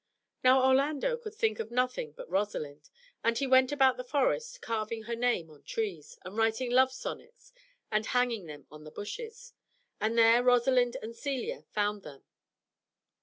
Now, Orlando could think of nothing but Rosalind, and he went about the forest carving her name on trees, and writing love sonnets and hanging them on the bushes, and there Rosalind and Celia found them.